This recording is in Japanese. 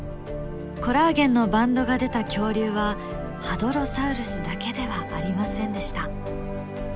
コラーゲンのバンドが出た恐竜はハドロサウルスだけではありませんでした。